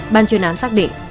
ban chuyên án xác định